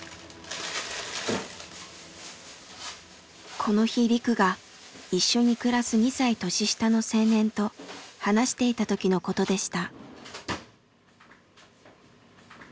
この日リクが一緒に暮らす２歳年下の青年と話していたときのことでした。